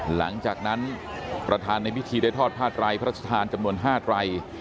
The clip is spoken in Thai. หลังจากนั้นประธานในพิธีได้ทอดผ้าดรายพระศทานจำนวนห้าดราย